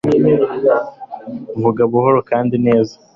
vuga buhoro kandi neza